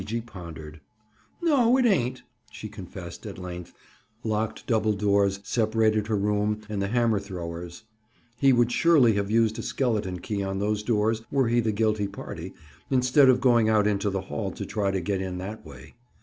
Gee gee pondered. "No, it ain't," she confessed, at length. Locked double doors separated her room and the hammer thrower's. He would surely have used a skeleton key on those doors were he the guilty party, instead of going out into the hall to try to get in that way.